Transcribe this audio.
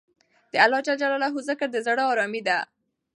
د اللهﷻ ذکر د زړه ارامي ده.